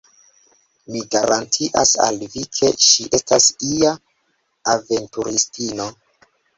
Mi garantias al vi, ke ŝi estas ia aventuristino!